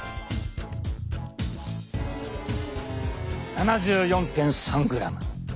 ７４．３ｇ。